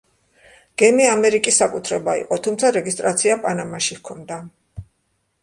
გემი ამერიკის საკუთრება იყო, თუმცა რეგისტრაცია პანამაში ჰქონდა.